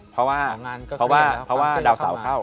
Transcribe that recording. เพราะว่าดาวสาวเเข้า